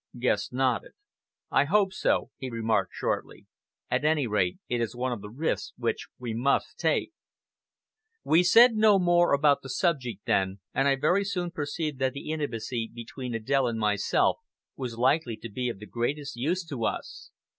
Guest nodded. "I hope so," he remarked shortly. "At any rate, it is one of the risks which we must take." We said no more about the subject then, and I very soon perceived that the intimacy between Adèle and myself was likely to be of the greatest use to us.